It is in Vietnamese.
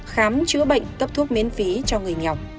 khám chữa bệnh cấp thuốc miễn phí cho người nghèo